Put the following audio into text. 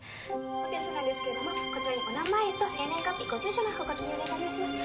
お手数なんですけどもこちらにお名前と生年月日ご住所の方ご記入お願いいたします。